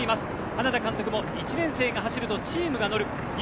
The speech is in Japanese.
花田監督も１年生が走るとチームが乗る。